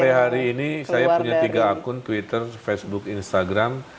sampai hari ini saya punya tiga akun twitter facebook instagram